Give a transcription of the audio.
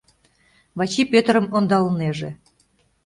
Вачи Пӧтырым ондалынеже.